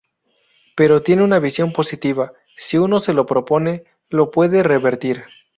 Pero tiene una visión positiva: si uno se lo propone, lo puede revertir.